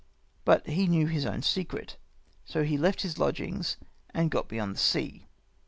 But he knew his own secret ; so he left his lodgings, and got beyond sea.